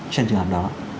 trên trường hợp đó